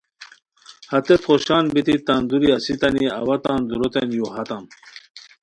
ہتیت خوشان بیتی تان دوری اسیتانی اوا تان دوروتین یو ہاتام